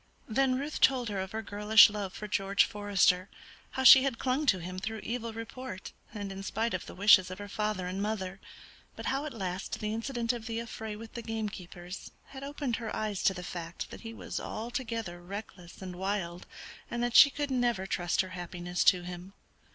Then Ruth told her of her girlish love for George Forester; how she had clung to him through evil report, and in spite of the wishes of her father and mother, but how at last the incident of the affray with the gamekeepers had opened her eyes to the fact that he was altogether reckless and wild, and that she could never trust her happiness to him.